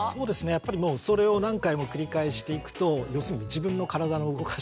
やっぱりもうそれを何回も繰り返していくと要するに自分の体の動かし方